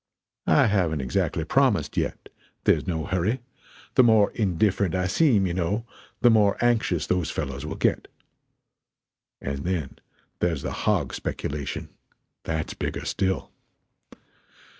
I haven't exactly promised yet there's no hurry the more indifferent I seem, you know, the more anxious those fellows will get. And then there is the hog speculation that's bigger still.